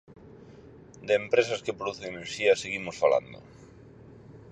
De empresas que producen enerxía seguimos falando...